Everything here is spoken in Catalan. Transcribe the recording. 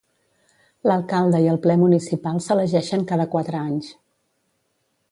L'alcalde i el ple municipal s'elegeixen cada quatre anys.